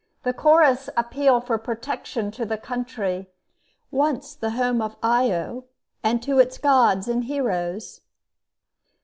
The Chorus appeal for protection to the country, once the home of Io, and to its gods and heroes.